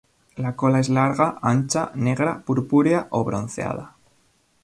La cola es larga, ancha, negra purpúrea o bronceada.